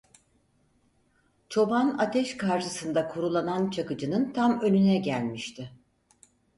Çoban ateş karşısında kurulanan Çakıcı'nın tam önüne gelmişti.